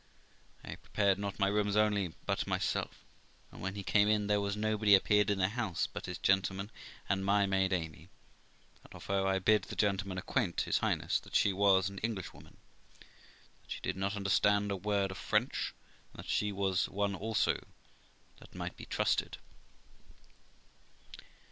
I prepared not my rooms only, but myself; and when he came in there was nobody appeared in the house but his gentleman and my maid Amyj THE LIFE OF ROXANA 22Q and of her I bid the gentleman acquaint his Highness, that she was an Englishwoman, that she did not understand a word of French, and that she was one also that might be trusted.